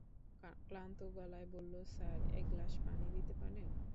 ক্লান্ত গলায় বলল, স্যার, এক গ্লাস পানি দিতে পারেন?